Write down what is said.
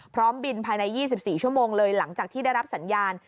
พร้อมบินภายใน๒๔ชั่วโมงเลยหลังจากที่ได้รับสัญญาณ